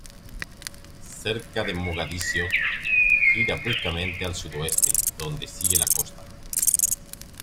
Cerca de Mogadiscio gira bruscamente al sudoeste, donde sigue la costa.